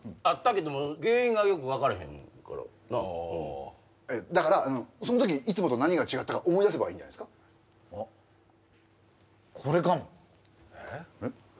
あったけども原因がよく分からへんからなだからそん時いつもと何が違ったか思い出せばいいんじゃないっすかあっこれかもえっ？